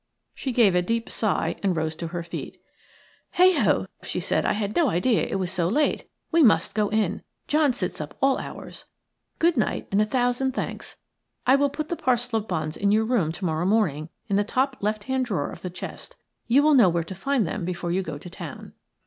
Sh e gave a deep sigh and rose to her feet "Heigh ho!" she said, "I had no idea it was so late. I must go in. John sits up till all hours. Good night and a thousand thanks. I will put the parcel of bonds in your room to morrow morning, in the top left hand drawer of the chest. You will know where to find them before you go to town."